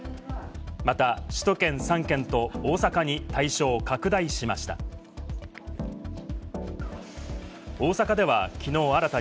また首都圏３県と大阪に対象を拡大しました。